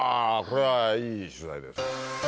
これはいい取材ですよ。